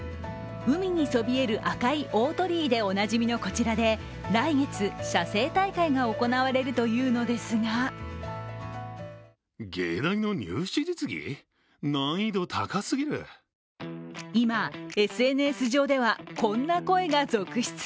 海にそびえる赤い大鳥居でおなじみのこちらで来月、写生大会が行われるというのですが今、ＳＮＳ上ではこんな声が続出。